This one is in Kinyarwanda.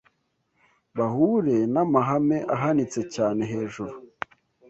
bahure n’amahame ahanitse cyane hejuru,